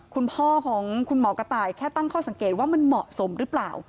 คุณพ่อของคุณหมอกระต่ายแค่ตั้งข้อสังเกตว่ามันเหมาะสมหรือเปล่า